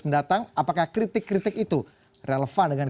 apakah ini benar apakah kritik kritik yang menantang jokowi di blipress mendatang